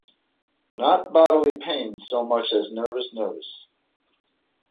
Not bodily pain so much as nervous, nervous!